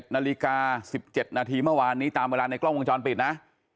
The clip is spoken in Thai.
๑นาฬิกา๑๗นาทีเมื่อวานนี้ตามเวลาในกล้องวงจรปิดนะ